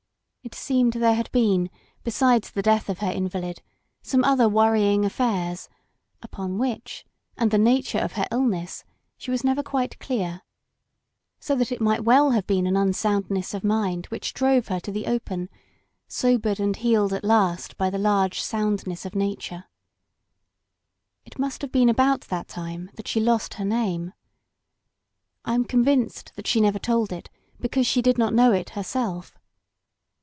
It seemed there had been, besides the death of her invalid, some other worrying affairs, upon which, and the nature of her ill ness, she was never quite clear, so that it might very well have been an tinsoundness of mind which drove her to the open, sobered and healed at last by the large sotmdness of nature. It must have been about that time that she lost her name. I am convinced that she never told it because she did not know it herself.